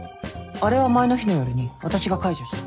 あれは前の日の夜に私が解除した。